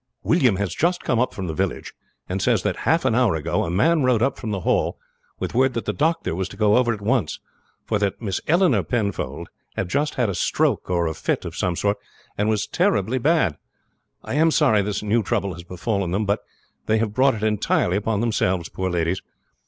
"William has just come up from the village, and says that half an hour ago a man rode up from the Hall with word that the doctor was to go over at once, for that Eleanor Penfold had just had a stroke or fit of some sort and was terribly bad. I am sorry this new trouble has befallen them; but they have brought it entirely upon themselves, poor ladies.